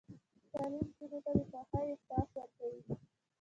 تعلیم نجونو ته د خوښۍ احساس ورکوي.